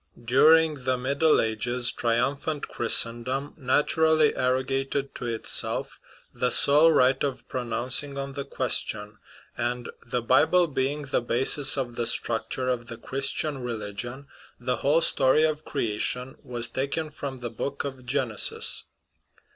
During the Middle Ages triumphant Christendom naturally arro gated to itself the sole right of pronouncing on the ques tion; and, the Bible being the basis of the structure of the Christian religion, the whole story of creation was taken from the book of Genesis.